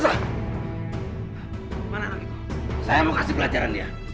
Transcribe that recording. saya mau kasih pelajaran dia